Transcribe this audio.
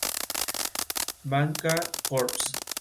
Manga Corps".